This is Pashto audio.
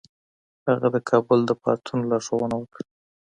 هغه د کابل د پاڅون لارښوونه وکړه.